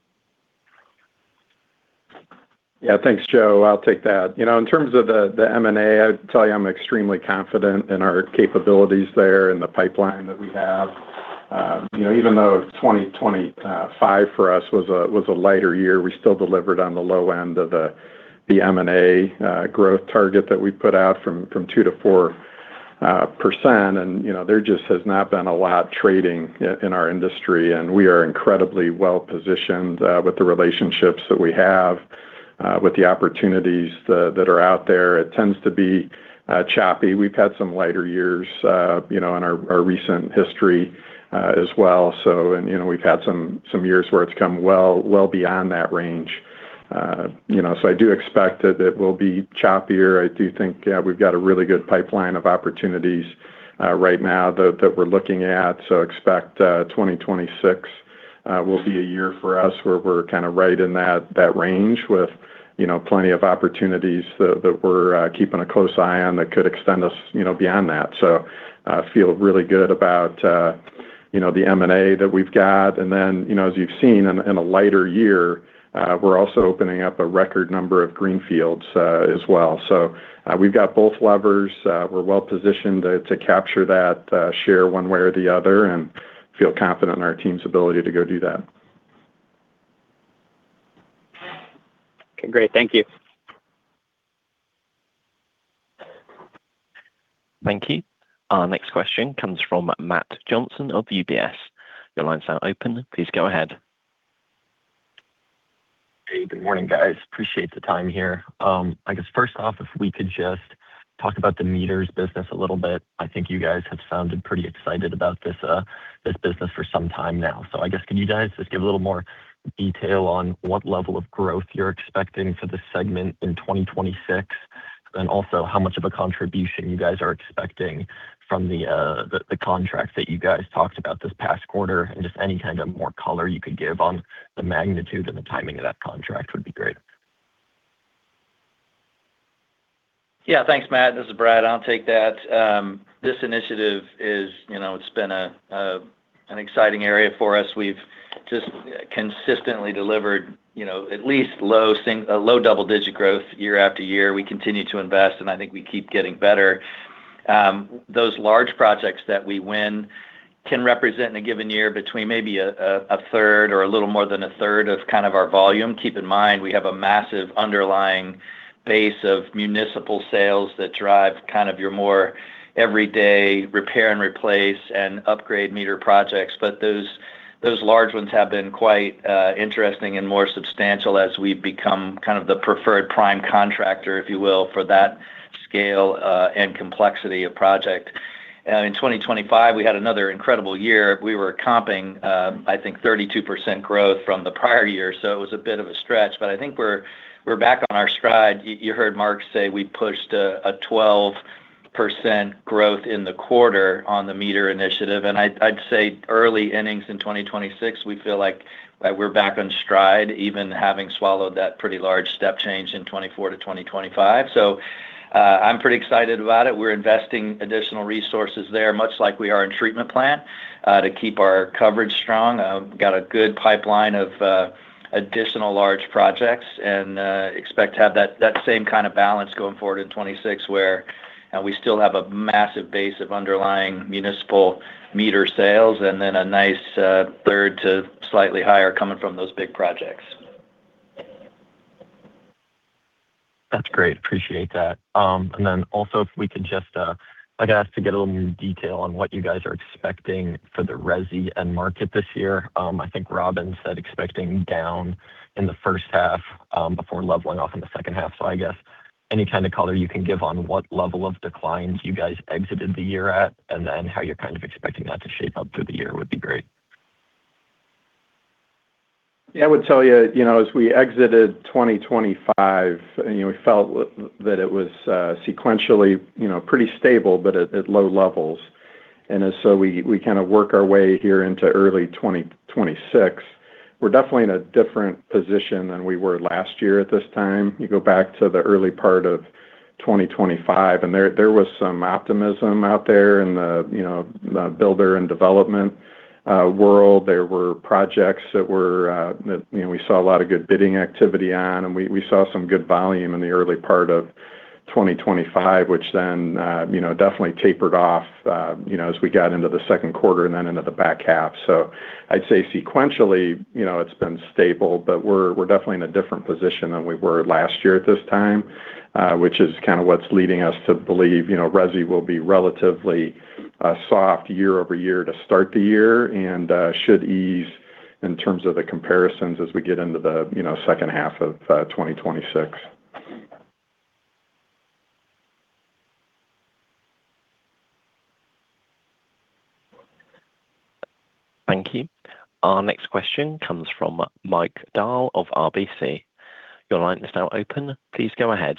Yeah. Thanks, Joe. I'll take that. You know, in terms of the M&A, I'd tell you I'm extremely confident in our capabilities there and the pipeline that we have. You know, even though 2025 for us was a lighter year, we still delivered on the low end of the M&A growth target that we put out from 2%-4%. You know, there just has not been a lot trading in our industry, and we are incredibly well-positioned with the relationships that we have with the opportunities that are out there. It tends to be choppy. We've had some lighter years, you know, in our recent history as well. You know, we've had some years where it's come well beyond that range. You know, I do expect that it will be choppier. I do think, yeah, we've got a really good pipeline of opportunities right now that we're looking at, so expect 2026 will be a year for us where we're kind of right in that range with, you know, plenty of opportunities that we're keeping a close eye on that could extend us, you know, beyond that. I feel really good about, you know, the M&A that we've got. Then, you know, as you've seen in a lighter year, we're also opening up a record number of greenfields as well. We've got both levers. We're well-positioned to capture that share one way or the other and feel confident in our team's ability to go do that. Okay, great. Thank you. Thank you. Our next question comes from Matt Johnson of UBS. Your line's now open, please go ahead. Hey, good morning, guys. Appreciate the time here. I guess first off, if we could just talk about the meters business a little bit. I think you guys have sounded pretty excited about this business for some time now. I guess, could you guys just give a little more detail on what level of growth you're expecting for this segment in 2026? And also how much of a contribution you guys are expecting from the contracts that you guys talked about this past quarter, and just any kind of more color you could give on the magnitude and the timing of that contract would be great Yeah. Thanks, Matt. This is Brad. I'll take that. This initiative is, you know, it's been an exciting area for us. We've just consistently delivered, you know, at least a low double-digit growth year after year. We continue to invest, and I think we keep getting better. Those large projects that we win can represent in a given year between maybe a third or a little more than a third of kind of our volume. Keep in mind we have a massive underlying base of municipal sales that drive kind of your more everyday repair and replace and upgrade meter projects. Those large ones have been quite interesting and more substantial as we've become kind of the preferred prime contractor, if you will, for that scale and complexity of project. In 2025, we had another incredible year. We were comping, I think 32% growth from the prior year, so it was a bit of a stretch. I think we're back on our stride. You heard Mark say we pushed a 12% growth in the quarter on the meter initiative. I'd say early innings in 2026, we feel like we're back on stride even having swallowed that pretty large step change in 2024-2025. I'm pretty excited about it. We're investing additional resources there, much like we are in treatment plant, to keep our coverage strong. Got a good pipeline of additional large projects and expect to have that same kind of balance going forward in 2026 where we still have a massive base of underlying municipal meter sales and then a nice third to slightly higher coming from those big projects. That's great. Appreciate that. If we could just, like I asked to get a little more detail on what you guys are expecting for the residential end market this year. I think Robyn said expecting down in the first half, before leveling off in the second half. I guess any kind of color you can give on what level of declines you guys exited the year at and then how you're kind of expecting that to shape up through the year would be great. Yeah. I would tell you know, as we exited 2025, you know, we felt that it was sequentially, you know, pretty stable but at low levels. So we kind of work our way here into early 2026. We're definitely in a different position than we were last year at this time. You go back to the early part of 2025, and there was some optimism out there in the, you know, the builder and development world. There were projects that, you know, we saw a lot of good bidding activity on, and we saw some good volume in the early part of 2025, which then, you know, definitely tapered off, you know, as we got into the second quarter and then into the back half. I'd say sequentially, you know, it's been stable, but we're definitely in a different position than we were last year at this time, which is kind of what's leading us to believe, you know, resi will be relatively soft year-over-year to start the year and should ease in terms of the comparisons as we get into the, you know, second half of 2026. Thank you. Our next question comes from Mike Dahl of RBC. Your line is now open. Please go ahead.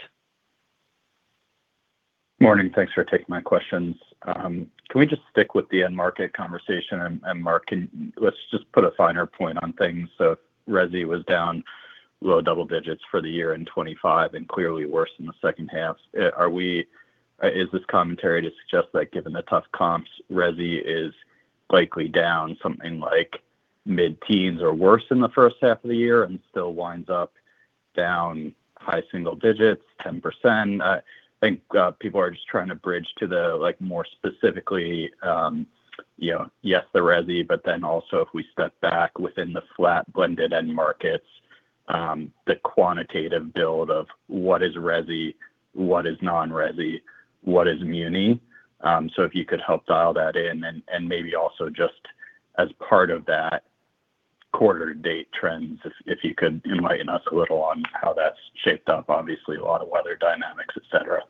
Morning. Thanks for taking my questions. Can we just stick with the end market conversation? Mark, let's just put a finer point on things. Resi was down low double digits for the year in 2025 and clearly worse in the second half. Is this commentary to suggest that given the tough comps, resi is likely down something like mid-teens or worse in the first half of the year and still winds up down high single digits, 10%? I think people are just trying to bridge to the, like, more specifically, you know, yes, the resi, but then also if we step back within the flat blended end markets, the quantitative build of what is resi, what is non-resi, what is muni. If you could help dial that in and maybe also just as part of that quarter-to-date trends, if you could enlighten us a little on how that's shaped up. Obviously, a lot of weather dynamics, et cetera.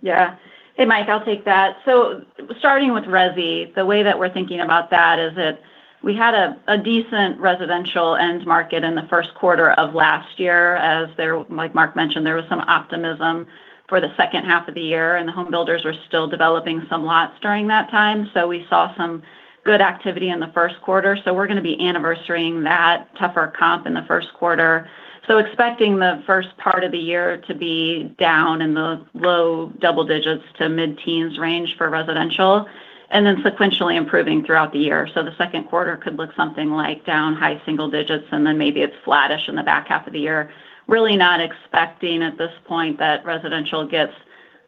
Yeah. Hey, Mike. I'll take that. Starting with resi, the way that we're thinking about that is that we had a decent residential end market in the first quarter of last year, like Mark mentioned, there was some optimism for the second half of the year, and the home builders were still developing some lots during that time. We saw some good activity in the first quarter. We're gonna be anniversarying that tougher comp in the first quarter. Expecting the first part of the year to be down in the low double digits to mid-teens range for residential and then sequentially improving throughout the year. The second quarter could look something like down high single digits, and then maybe it's flattish in the back half of the year. Really not expecting at this point that residential gets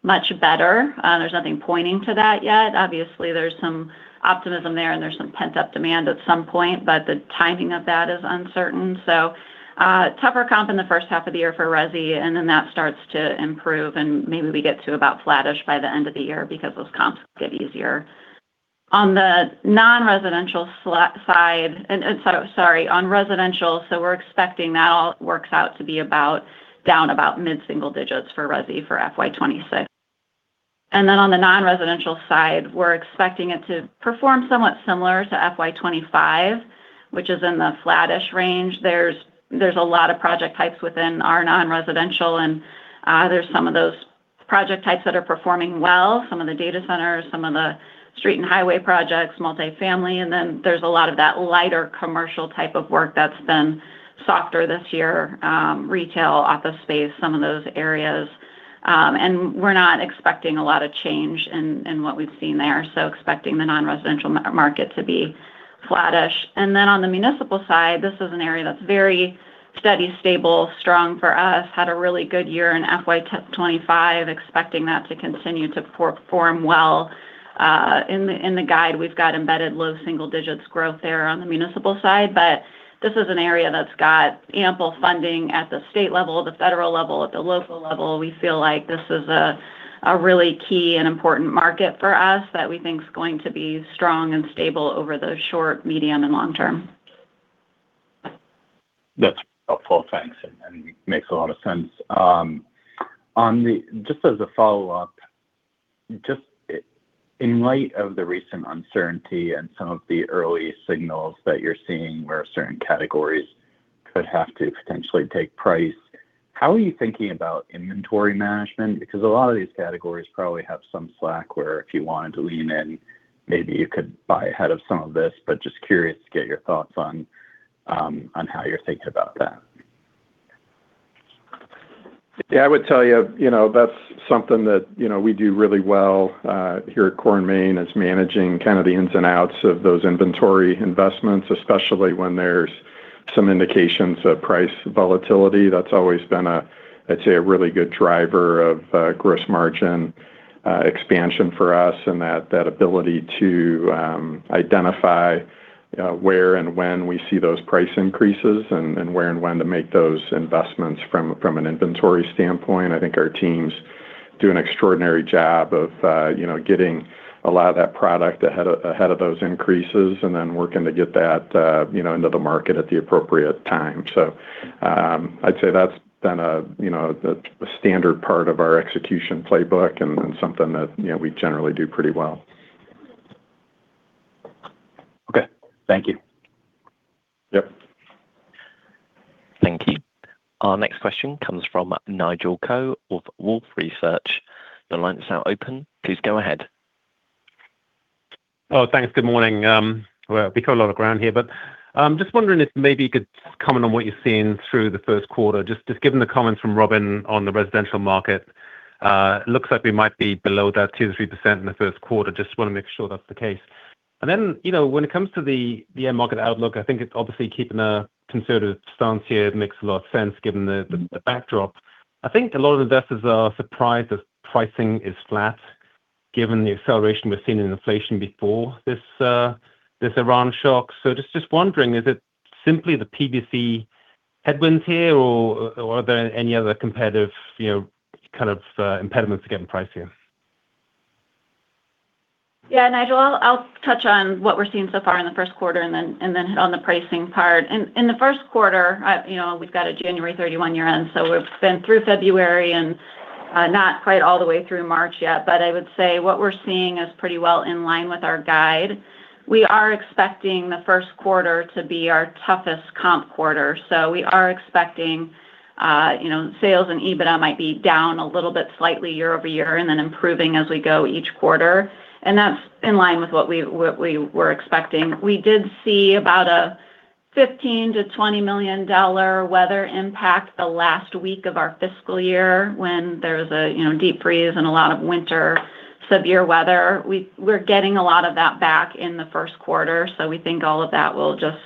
much better. There's nothing pointing to that yet. Obviously, there's some optimism there, and there's some pent-up demand at some point, but the timing of that is uncertain. A tougher comp in the first half of the year for resi, and then that starts to improve, and maybe we get to about flattish by the end of the year because those comps get easier. On residential, we're expecting that all works out to be about down mid-single digits for resi for FY 2026. Then on the non-residential side, we're expecting it to perform somewhat similar to FY 2025, which is in the flattish range. There's a lot of project types within our non-residential, and there's some of those project types that are performing well, some of the data centers, some of the street and highway projects, multi-family, and then there's a lot of that lighter commercial type of work that's been softer this year, retail, office space, some of those areas. We're not expecting a lot of change in what we've seen there, so expecting the non-residential market to be flattish. On the municipal side, this is an area that's very steady, stable, strong for us. We had a really good year in FY 2025, expecting that to continue to perform well. In the guide, we've got embedded low single digits growth there on the municipal side. This is an area that's got ample funding at the state level, at the federal level, at the local level. We feel like this is a really key and important market for us that we think is going to be strong and stable over the short, medium, and long term. That's helpful. Thanks. Makes a lot of sense. Just as a follow-up, just in light of the recent uncertainty and some of the early signals that you're seeing where certain categories could have to potentially take price, how are you thinking about inventory management? Because a lot of these categories probably have some slack where if you wanted to lean in, maybe you could buy ahead of some of this. Just curious to get your thoughts on how you're thinking about that. Yeah. I would tell you know, that's something that, you know, we do really well here at Core & Main is managing kind of the ins and outs of those inventory investments, especially when there's some indications of price volatility. That's always been a, I'd say, a really good driver of gross margin expansion for us and that ability to identify where and when we see those price increases and where and when to make those investments from an inventory standpoint. I think our teams do an extraordinary job of, you know, getting a lot of that product ahead of those increases and then working to get that, you know, into the market at the appropriate time. I'd say that's been a, you know, a standard part of our execution playbook and something that, you know, we generally do pretty well. Okay. Thank you. Yep. Thank you. Our next question comes from Nigel Coe with Wolfe Research. Your line is now open. Please go ahead. Oh, thanks. Good morning. Well, we've got a lot of ground here, but just wondering if maybe you could comment on what you're seeing through the first quarter. Just given the comments from Robyn on the residential market, it looks like we might be below that 2%-3% in the first quarter. Just wanna make sure that's the case. Then, you know, when it comes to the end market outlook, I think it's obviously keeping a conservative stance here makes a lot of sense given the backdrop. I think a lot of investors are surprised that pricing is flat given the acceleration we've seen in inflation before this Iran shock. Just wondering, is it simply the PVC headwinds here, or are there any other competitive, you know, kind of, impediments to getting price here? Yeah, Nigel, I'll touch on what we're seeing so far in the first quarter and then hit on the pricing part. In the first quarter, you know, we've got a January 31 year-end, so we've been through February and not quite all the way through March yet. I would say what we're seeing is pretty well in line with our guide. We are expecting the first quarter to be our toughest comp quarter. We are expecting, you know, sales and EBITDA might be down a little bit slightly year-over-year and then improving as we go each quarter. That's in line with what we were expecting. We did see about a $15 million-$20 million weather impact the last week of our fiscal year when there was a, you know, deep freeze and a lot of winter severe weather. We're getting a lot of that back in the first quarter, so we think all of that will just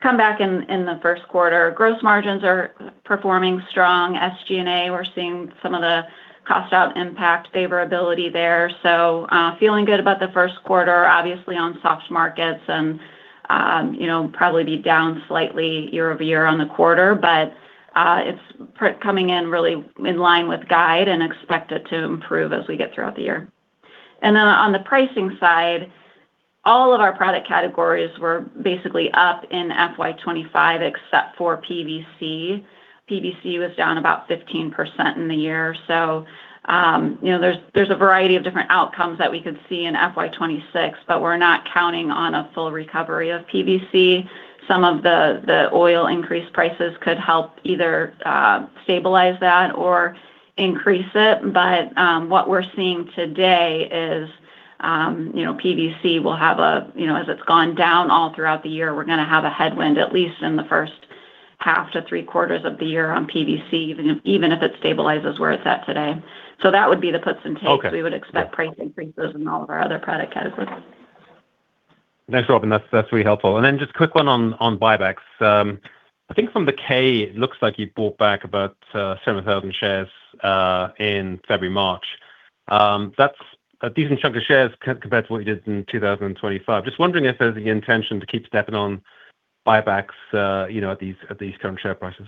come back in the first quarter. Gross margins are performing strong. SG&A, we're seeing some of the cost out impact favorability there. Feeling good about the first quarter, obviously on soft markets and, you know, probably be down slightly year-over-year on the quarter. It's coming in really in line with guide and expect it to improve as we get throughout the year. Then on the pricing side, all of our product categories were basically up in FY 2025 except for PVC. PVC was down about 15% in the year. You know, there's a variety of different outcomes that we could see in FY 2026, but we're not counting on a full recovery of PVC. Some of the oil, increased prices could help either stabilize that or increase it. What we're seeing today is, you know, PVC will have a, you know, as it's gone down all throughout the year, we're gonna have a headwind at least in the first half to three quarters of the year on PVC, even if it stabilizes where it's at today. That would be the puts and takes. We would expect price increases in all of our other product categories. Thanks, Robyn. That's really helpful. Just quick one on buybacks. I think from the K, it looks like you bought back about 7,000 shares in February, March. That's a decent chunk of shares compared to what you did in 2025. Just wondering if there's the intention to keep stepping up buybacks, you know, at these current share prices.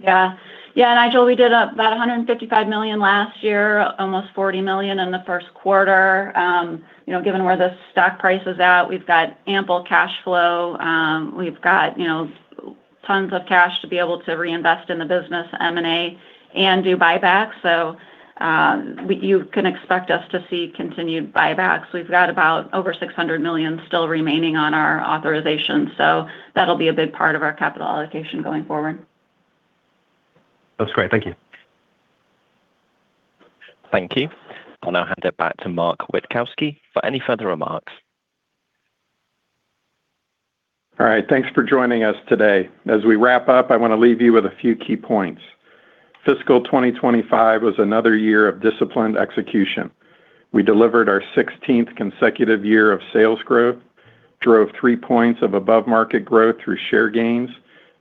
Yeah. Yeah, Nigel, we did about $155 million last year, almost $40 million in the first quarter. You know, given where the stock price is at, we've got ample cash flow. We've got, you know, tons of cash to be able to reinvest in the business M&A and do buybacks. You can expect us to see continued buybacks. We've got about over $600 million still remaining on our authorization, that'll be a big part of our capital allocation going forward. That's great. Thank you. Thank you. I'll now hand it back to Mark Witkowski for any further remarks. All right. Thanks for joining us today. As we wrap up, I wanna leave you with a few key points. Fiscal 2025 was another year of disciplined execution. We delivered our 16th consecutive year of sales growth, drove 3 points of above-market growth through share gains,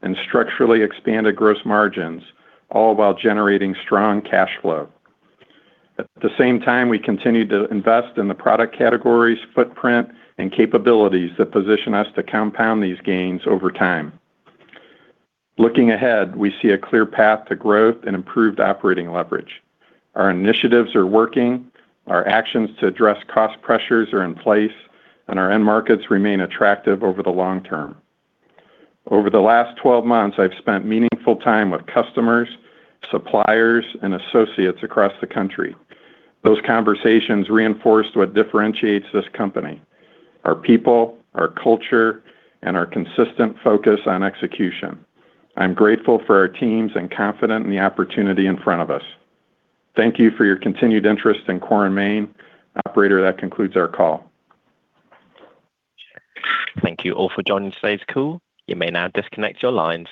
and structurally expanded gross margins, all while generating strong cash flow. At the same time, we continued to invest in the product categories, footprint, and capabilities that position us to compound these gains over time. Looking ahead, we see a clear path to growth and improved operating leverage. Our initiatives are working, our actions to address cost pressures are in place, and our end markets remain attractive over the long term. Over the last 12 months, I've spent meaningful time with customers, suppliers, and associates across the country. Those conversations reinforced what differentiates this company, our people, our culture, and our consistent focus on execution. I'm grateful for our teams and confident in the opportunity in front of us. Thank you for your continued interest in Core & Main. Operator, that concludes our call. Thank you all for joining today's call. You may now disconnect your lines.